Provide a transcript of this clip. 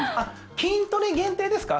筋トレ限定ですか？